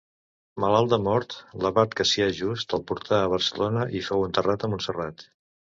Malalt de mort, l'abat Cassià Just el portà a Barcelona i fou enterrat a Montserrat.